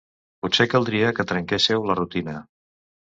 Potser caldria que trenquésseu la rutina.